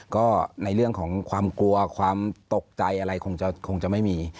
ก็ในเรื่องของความกลัวความตกใจอะไรคงจะไม่มี